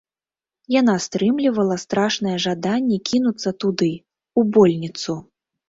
Яна стрымлівала страшнае жаданне кінуцца туды, у больніцу.